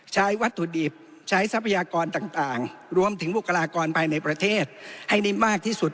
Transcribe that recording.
ใช้วัตถุดิบใช้ทรัพยากรต่างรวมถึงบุคลากรภายในประเทศให้ได้มากที่สุด